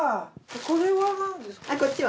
これは何ですか？